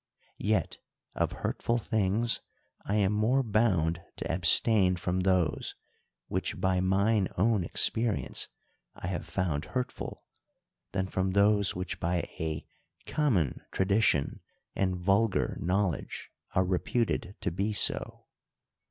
Yet, of hurtful things, I am more bound to abstain from those, which by mine own experience I have found hurtful, than from those which by a common tradition and vulgar knowledge are reputed to be so.